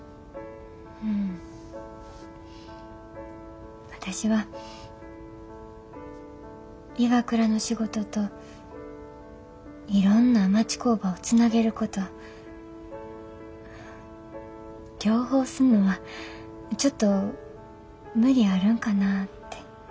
うん私はＩＷＡＫＵＲＡの仕事といろんな町工場をつなげること両方すんのはちょっと無理あるんかなて。